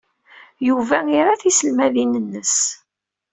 Yuba ira tiselmadin-nnes.